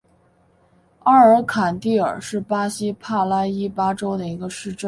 阿尔坎蒂尔是巴西帕拉伊巴州的一个市镇。